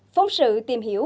phóng sự tìm hiểu